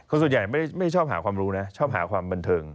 ส่วนใหญ่ไม่ชอบหาความรู้นะชอบหาความบันเทิง